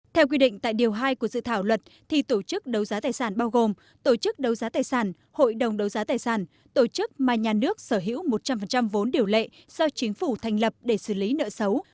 theo quy định tại điều hai của dự thảo luật thì tổ chức đấu giá tài sản bao gồm tổ chức đấu giá tài sản hội đồng đấu giá tài sản tổ chức mà nhà nước sở hữu một trăm linh vốn điều lệ do chính phủ thành lập để xử lý nợ xấu